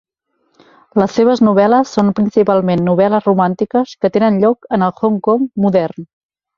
Les seves novel·les són principalment novel·les romàntiques que tenen lloc en el Hong Kong modern.